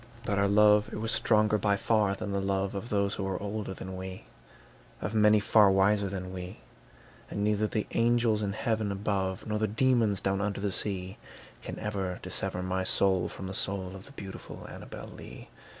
But our love it was stronger by far than the love Of those who were older than we, Of many far wiser than we; And neither the angels in heaven above, Nor the demons down under the sea, Can ever dissever my soul from the soul Of the beautiful Annabel Lee.